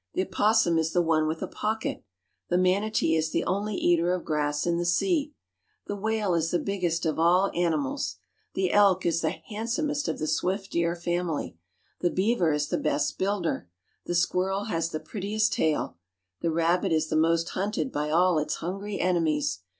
The opossum is the one with a pocket. The manatee is the only eater of grass in the sea. The whale is the biggest of all animals. The elk is the handsomest of the swift deer family. The beaver is the best builder. The squirrel has the prettiest tail. The rabbit is the most hunted by all its hungry enemies.